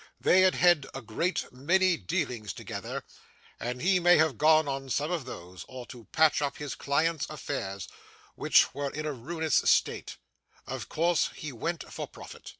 They had had a great many dealings together, and he may have gone on some of those, or to patch up his client's affairs, which were in a ruinous state; of course he went for profit.